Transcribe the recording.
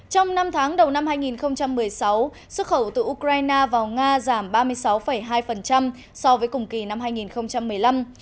trong năm tháng đầu năm hai nghìn một mươi sáu xuất khẩu từ ukraine vào nga giảm ba mươi sáu hai so với cùng kỳ năm hai nghìn một mươi năm